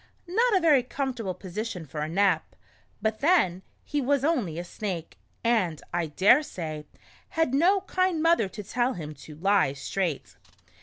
Not a very comfortable position for a nap, but then he was only a snake, and, I daresay, had no kind mother to tell him to '' lie straight."